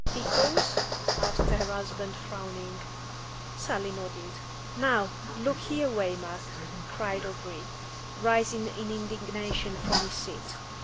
"Pickles?" asked her husband, frowning. Sally nodded. "Now, look here, Waymark," cried O'Gree, rising in indignation from his seat.